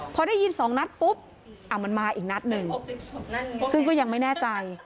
พอได้ยินสองนัดปุ๊บอ่ะมันมาอีกนัดหนึ่งซึ่งก็ยังไม่แน่ใจ